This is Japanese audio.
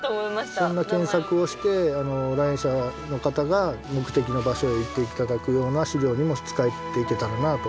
そんな検索をして来園者の方が目的の場所へ行って頂くような資料にも使っていけたらなと思っています。